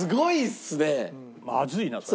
まずいなそれ。